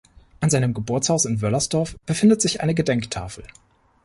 An seinem Geburtshaus in Wöllersdorf befindet sich eine Gedenktafel.